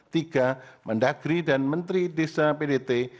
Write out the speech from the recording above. tiga mendagri dan menteri desa pdt